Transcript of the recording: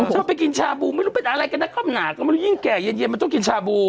ชอบไปกินชาบูไม่รู้เป็นอะไรกันนะเขาหนาก็ไม่รู้ยิ่งแก่เย็นมันต้องกินชาบู